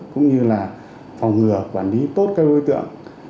cũng như là phòng ngừa quản lý tốt các đối tượng